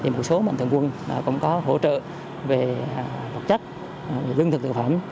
một số mạng thượng quân cũng có hỗ trợ về vật chất lương thực thực phẩm